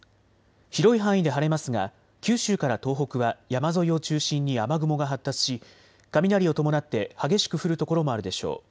広い範囲で晴れますが九州から東北は山沿いを中心に雨雲が発達し雷を伴って激しく降る所もあるでしょう。